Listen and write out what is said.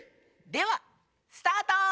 ではスタート！